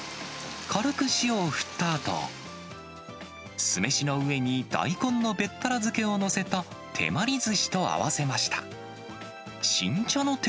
軽く塩を振ったあと、酢飯の上に大根のべったら漬けを載せた手まりずしと合わせました。